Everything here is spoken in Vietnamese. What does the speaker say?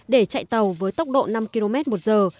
để chạy tàu với tốc độ năm km một giờ